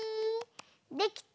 できた？